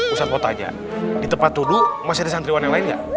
ustad mau tanya di tempat duduk masih ada santriwan yang lain gak